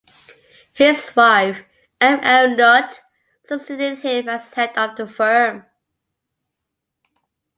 His wife M. L. Nutt succeeded him as head of the firm.